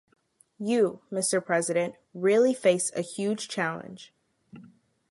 You, Mr. President, really face a huge challenge.